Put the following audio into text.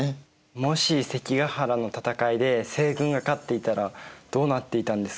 もし関ヶ原の戦いで西軍が勝っていたらどうなっていたんですか？